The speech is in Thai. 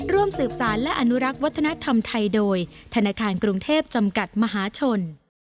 ร่วมสืบสารและอนุรักษ์วัฒนธรรมไทยโดยธนาคารกรุงเทพจำกัดมหาชน